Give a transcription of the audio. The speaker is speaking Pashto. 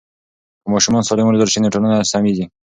که ماشومان سالم وروزل سي نو ټولنه سمیږي.